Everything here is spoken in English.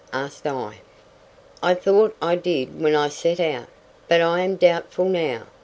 asked I. "I thought I did when I set out, but I am doubtful now.